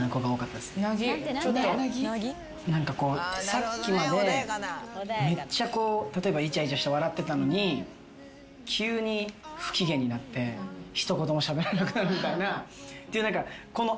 さっきまでめっちゃ例えばイチャイチャして笑ってたのに急に不機嫌になって一言もしゃべらなくなるみたいな。っていう何かこの。